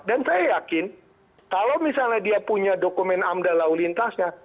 dan saya yakin kalau misalnya dia punya dokumen amdalau lintasnya